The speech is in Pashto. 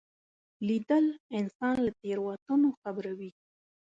لیدل انسان له تېروتنو خبروي